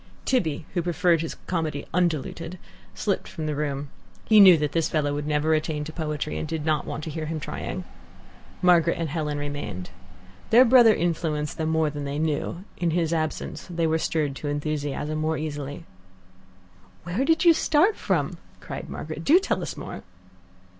Tibby, who preferred his comedy undiluted, slipped from the room. He knew that this fellow would never attain to poetry, and did not want to hear him trying. Margaret and Helen remained. Their brother influenced them more than they knew: in his absence they were stirred to enthusiasm more easily. "Where did you start from?" cried Margaret. "Do tell us more."